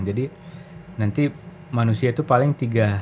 jadi nanti manusia itu paling tiga